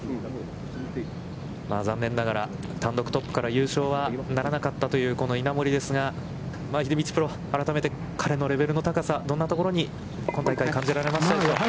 残念ながら、単独トップから優勝はならなかったというこの稲森ですが、秀道プロ、改めて彼のレベルの高さ、どんなところに、今大会、感じられましたでしょうか。